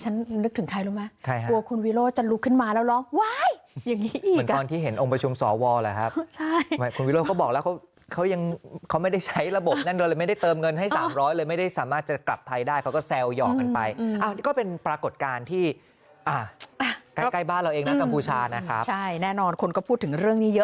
ฉันนึกถึงใครรู้ไหมว่าคุณวิโรจะลุกขึ้นมาแล้วร้องไว้อย่างนี้อีกอ่ะเหมือนตอนที่เห็นองค์ประชุมสวแหละครับคุณวิโรก็บอกแล้วเขายังเขาไม่ได้ใช้ระบบนั้นเลยไม่ได้เติมเงินให้๓๐๐เลยไม่ได้สามารถจะกลับไทยได้เขาก็แซวย่อกันไปก็เป็นปรากฎการณ์ที่ใกล้บ้านเราเองนะกัมพูชานะครับใช่แน่นอนคนก็พูดถึง